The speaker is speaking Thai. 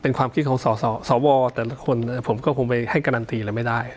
เป็นความคิดของสวแต่ละคนผมก็คงไปให้การันตีอะไรไม่ได้